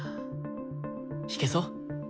弾けそう？